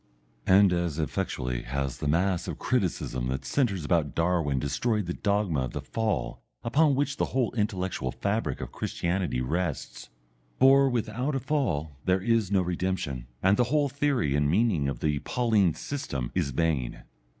And as effectually has the mass of criticism that centres about Darwin destroyed the dogma of the Fall upon which the whole intellectual fabric of Christianity rests. For without a Fall there is no redemption, and the whole theory and meaning of the Pauline system is vain.